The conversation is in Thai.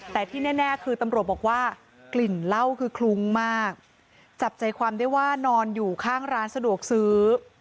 แต่ที่แน่คือตำรวจบอกว่ากลิ่นเหล้าคือคลุ้งมากจับใจความได้ว่านอนอยู่ข้างร้านสะดวกซื้อ